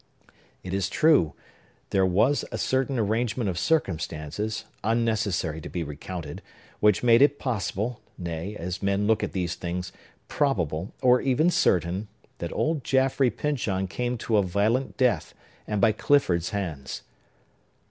It is true, there was a certain arrangement of circumstances, unnecessary to be recounted, which made it possible nay, as men look at these things, probable, or even certain—that old Jaffrey Pyncheon came to a violent death, and by Clifford's hands."